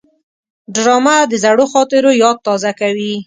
ډرامه د زړو خاطرو یاد تازه کوي